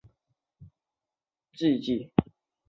它的作用主要是钠离子通道阻滞剂。